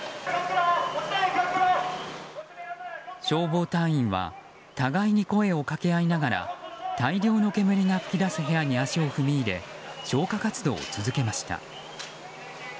消防隊員は互いに声を掛け合いながら大量の煙が噴き出す部屋に足を踏み入れ消火活動を続けました。